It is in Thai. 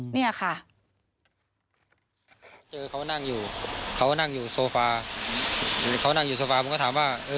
เนี่ยค่ะ